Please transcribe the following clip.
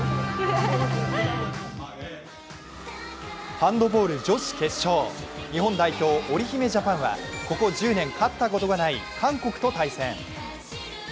ハンドボール女子決勝、日本代表、おりひめジャパンはここ１０年勝ったことがない韓国と対戦。